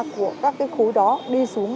của các khối đó đi xuống